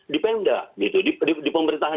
di pemda gitu di pemerintahan